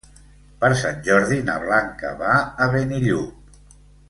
Per Sant Jordi na Blanca va a Benillup.